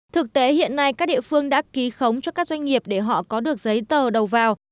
thực tế hiện nay các địa phương đã ký khống cho các doanh nghiệp để họ có được giấy tờ đầu vào